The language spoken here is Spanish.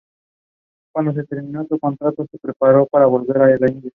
Cuando se terminó su contrato, se preparó para volver a la India.